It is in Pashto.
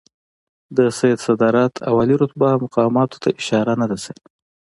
د سید صدارت او عالي رتبه مقاماتو ته اشاره نه ده شوې.